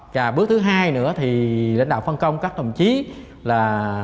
và bước thứ hai nữa thì lãnh đạo phân công các đồng chí là